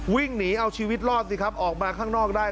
วิ่งหนีเอาชีวิตรอดสิครับออกมาข้างนอกได้